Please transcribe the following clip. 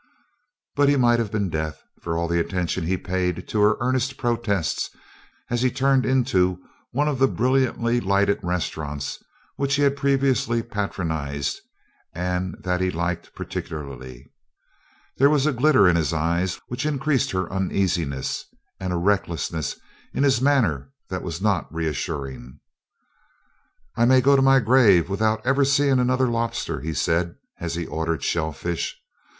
But he might have been deaf, for all the attention he paid to her earnest protests as he turned into one of the brilliantly lighted restaurants which he had previously patronized and that he liked particularly. There was a glitter in his eyes which increased her uneasiness, and a recklessness in his manner that was not reassuring. "I may go to my grave without ever seeing another lobster," he said as he ordered shellfish.